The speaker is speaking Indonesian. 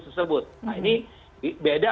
tersebut nah ini beda